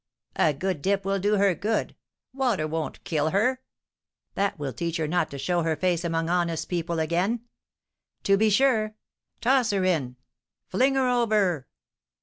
"A good dip will do her good! Water won't kill her!" "That will teach her not to show her face among honest people again!" "To be sure. Toss her in! fling her over!"